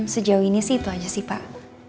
sejauh ini sih itu aja sih pak